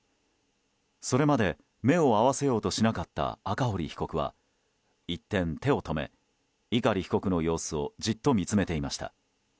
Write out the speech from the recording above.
それまで目を合わせようとしなかった赤堀被告は一転、手を止め碇被告の様子をじっと見つめていました。